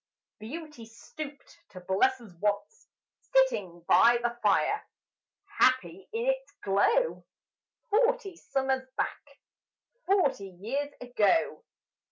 Beauty stooped to bless us once, Sitting by the fire, Happy in its glow; Forty summers back Forty years ago.